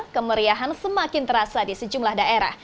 kemeriahan semakin terasa di sejumlah daerah